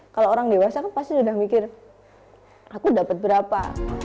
kalau orang dewasa kan pasti sudah mikir aku dapat berapa